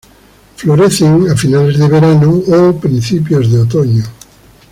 Florecen a finales de verano o principios de otoño.